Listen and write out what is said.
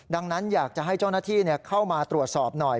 ดังนั้นอยากจะให้เจ้าหน้าที่เข้ามาตรวจสอบหน่อย